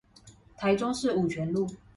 台中市五權路